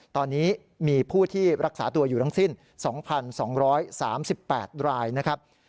ตอนนี้มีผู้ที่รักษาตัวอยู่ทั้งสิ้น๒๒๓๘รายนะครับ